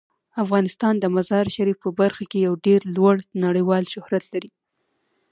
افغانستان د مزارشریف په برخه کې یو ډیر لوړ نړیوال شهرت لري.